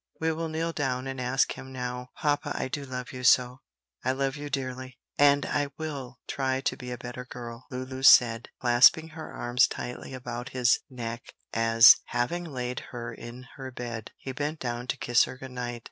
We will kneel down and ask Him now." "Papa, I do love you so, I love you dearly, and I will try to be a better girl," Lulu said, clasping her arms tightly about his neck, as, having laid her in her bed, he bent down to kiss her good night.